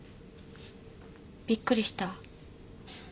びっくりした？